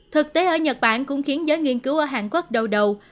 thực tế ở nhật bản cũng khiến giới nghiên cứu ở hàn quốc đầu đầu